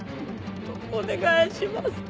お願いします